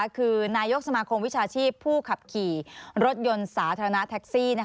คือนายกสมาคมวิชาชีพผู้ขับขี่รถยนต์สาธารณะแท็กซี่